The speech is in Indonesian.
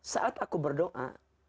saat aku berdoa